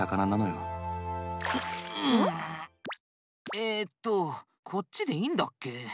えっとこっちでいいんだっけ？